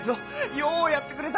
ようやってくれた！